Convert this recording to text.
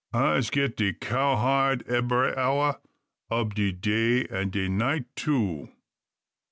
I'se get de cowhide ebbery hour ob de day, and de night too.